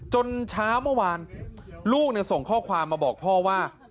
จนเช้าเมื่อวานลูกส่งข้อความมาบอกพ่อว่า